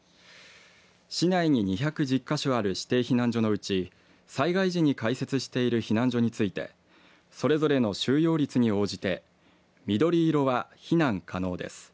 市内に２１０か所ある指定避難所のうち災害時に開設している避難所についてそれぞれの収容率に応じて緑色は避難可能です。